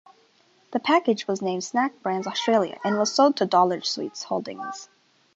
The package was named Snack Brands Australia and was sold to Dollar Sweets Holdings.